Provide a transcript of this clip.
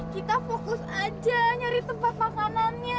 kita fokus aja nyari tempat makanannya